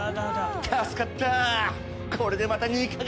助かったぁ！